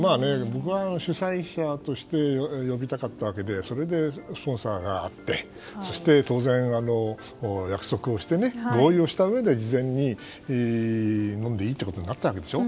主催者として呼びたかったわけでそれでスポンサーがあってそして、当然約束をして合意をしたうえで事前に飲んでいいっていうことになったわけでしょ。